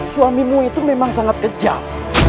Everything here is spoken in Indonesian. suamimu itu memang sangat kejam